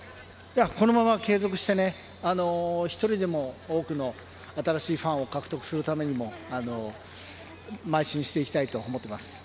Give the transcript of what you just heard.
このまま継続して、１人でも多くの新しいファンを獲得するためにも、まい進していきたいと思っています。